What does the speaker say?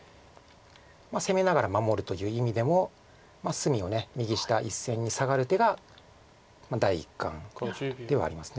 攻めながら守るという意味でも隅を右下１線にサガる手が第一感ではあります。